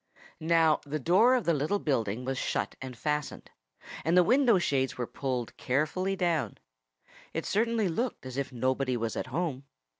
Now, the door of the little building was shut and fastened. And the window shades were pulled carefully down. It certainly looked as if nobody was at home.